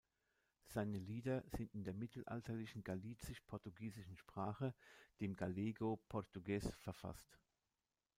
Seine Lieder sind in der mittelalterlichen galicisch-portugiesischen Sprache, dem Galego-Portugues, verfasst.